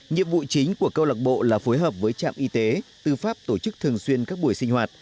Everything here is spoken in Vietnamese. nhiệm vụ chính của câu lạc bộ là phối hợp với trạm y tế tư pháp tổ chức thường xuyên các buổi sinh hoạt